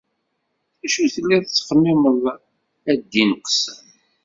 D acu telliḍ tettxemmimeḍ a ddin n Qessam?